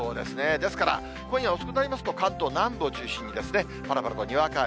ですから今夜遅くなりますと、関東南部を中心にですね、ぱらぱらとにわか雨。